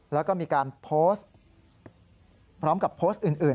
แล้วก็มีการโพสต์พร้อมกับโพสต์อื่น